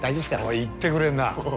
おい言ってくれんな。